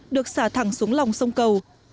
được xả thẳng xuống lòng sông cầu